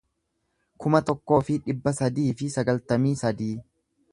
kuma tokkoo fi dhibba sadii fi sagaltamii sadii